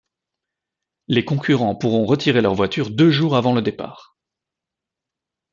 Les concurrents pourront retirer leur voiture deux jours avant le départ.